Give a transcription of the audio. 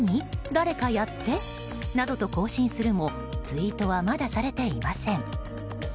誰かやって。などと更新するもツイートはまだされていません。